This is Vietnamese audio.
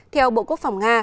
theo bộ quốc phòng nga